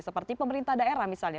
seperti pemerintah daerah misalnya